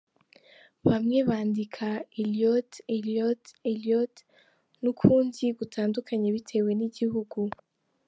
Bamwe bandika Eliot, Eliott, Elliott n’ukundi gutandukanye bitewe n’igihugu.